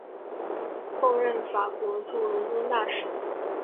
后任法国驻伦敦大使。